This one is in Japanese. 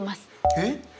えっ？